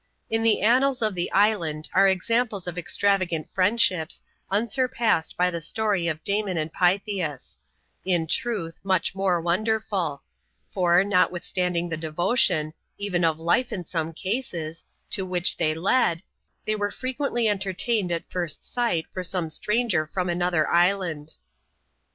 In the annals of the island are examples of extravagant firiend ships, unsurpassed by the story of Damon and Pythias : in teutb, much more wonderful ; for, notwithstanding the devotion — even of life in some cases — to which they led, they were frequentlj entertained at first sight for some stranger from another island.